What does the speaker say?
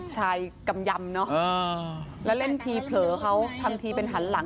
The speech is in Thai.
กำยำเนอะแล้วเล่นทีเผลอเขาทำทีเป็นหันหลัง